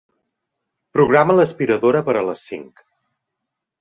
Programa l'aspiradora per a les cinc.